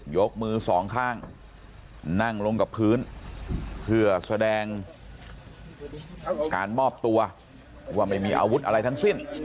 ยกมือสองข้างนั่งลงกับพื้นเพื่อแสดงการมอบตัวว่าไม่มีอาวุธอะไรทั้งสิ้น